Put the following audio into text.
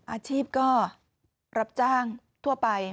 อาชีพก็รับจ้างทั่วไป